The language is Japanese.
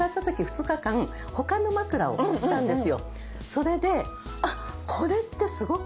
それで。